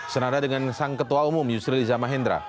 senada dengan sang ketua umum yusri liza mahen